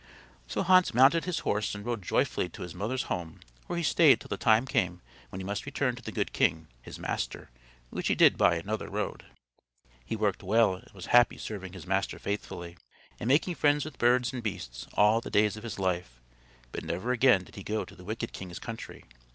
So Hans mounted his horse and rode joyfully to his mother's home where he stayed till the time came when he must return to the good king, his master, which he did by another road. He worked well and was happy serving his master faithfully, and making friends with birds and beasts, all the days of his life; but never again did he go to the wicked king's country.